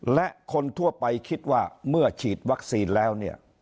และคนทั่วไปคิดว่าเมื่อฉีดวัคซีนแล้วเนี่ย